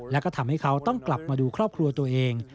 และก็ทำให้เขาต้องกลับมาดูครอบครัวตัวเอง